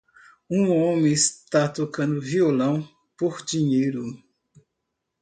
Um homem está tocando violão por dinheiro.